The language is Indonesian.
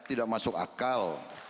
tidak masuk akal